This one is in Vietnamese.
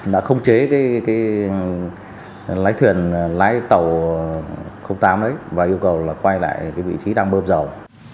đã khống chế lái thuyền lái tàu tám đấy và yêu cầu quay lại vị trí đang bơm dầu